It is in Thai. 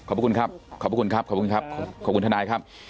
ขอบคุณครับขอบคุณครับขอบคุณท่านรายครับ